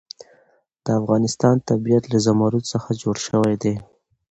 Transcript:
د افغانستان طبیعت له زمرد څخه جوړ شوی دی.